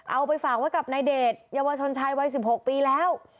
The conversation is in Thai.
เอาไปฝากไว้กับนายเดชเยาวชนชายวัย๑๖ปีแล้ว